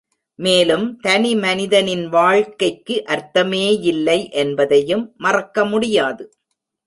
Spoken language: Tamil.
மேலும் தனி மனிதனின் வாழ்க்கைக்கு அர்த்தமே யில்லை என்பதையும் மறக்க முடியாது.